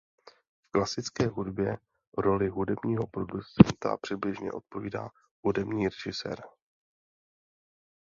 V klasické hudbě roli hudebního producenta přibližně odpovídá hudební režisér.